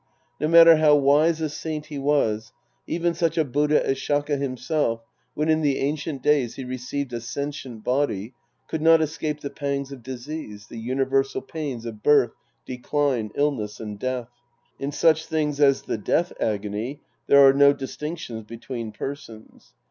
No matter how wise a saint he was, even such a Buddha as Shaka himself, when in the ancient days he received a sentient body, could not escape the pangs of disease, the universal pains of birth, decline, illness and death. In such things as the death agony, there are no dis tinctions between persons.